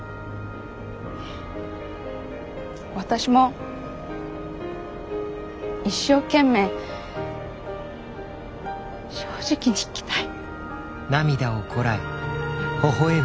私も一生懸命正直に生きたい。